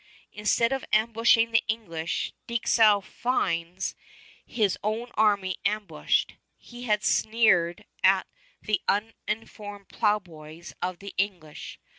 Instead of ambushing the English, Dieskau finds his own army ambushed. He had sneered at the un uniformed plowboys of the English.